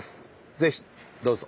是非どうぞ！